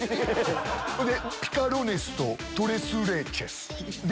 それでピカロネスとトレスレチェス。